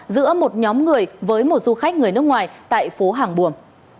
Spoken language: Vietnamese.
giữa một nhóm người với một du khách người nước ngoài tại phố hàng buồm